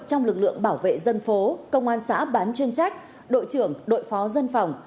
trong lực lượng bảo vệ dân phố công an xã bán chuyên trách đội trưởng đội phó dân phòng